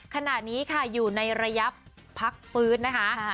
ขณะนี้ค่ะอยู่ในระยะพักฟื้นนะคะ